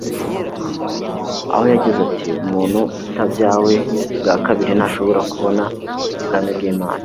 aho yagize ati : "Umuntu utabyawe ubwa kabiri ntashobora kubona ubwami bw'Imana'.